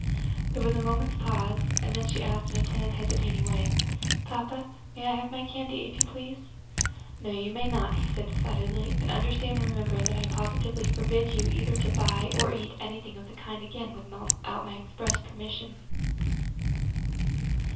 There was a moment's pause, and then she asked in a timid hesitating way, "Papa, may I have my candy, if you please?" "No, you may not," he said decidedly; "and understand and remember that I positively forbid you either to buy or eat anything of the kind again without my express permission."